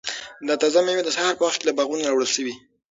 دا تازه مېوې د سهار په وخت کې له باغونو راوړل شوي.